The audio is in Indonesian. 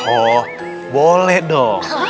oh boleh dong